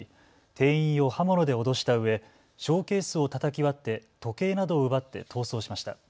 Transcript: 店員を刃物で脅したうえショーケースをたたき割って時計などを奪って逃走しました。